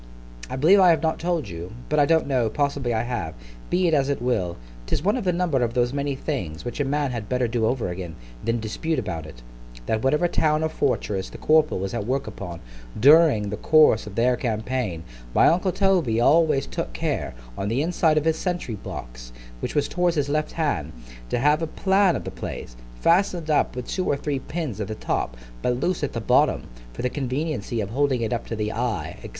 I believe I have not told you——but I don't know——possibly I have——be it as it will, 'tis one of the number of those many things, which a man had better do over again, than dispute about it—That whatever town or fortress the corporal was at work upon, during the course of their campaign, my uncle Toby always took care, on the inside of his sentry box, which was towards his left hand, to have a plan of the place, fasten'd up with two or three pins at the top, but loose at the bottom, for the conveniency of holding it up to the eye, &c.